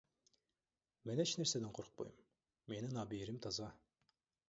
Мен эч нерседен коркпойм, менин абийирим таза.